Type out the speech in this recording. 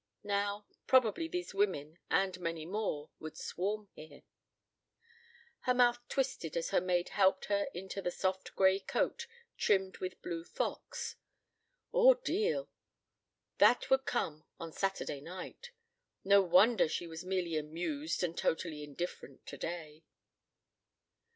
Now, probably these women and many more would swarm here. Her mouth twisted as her maid helped her into the soft gray coat trimmed with blue fox. Ordeal! That would come on Saturday night. No wonder she was merely amused and totally indifferent today!